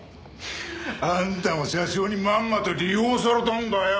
あんたも社長にまんまと利用されたんだよ。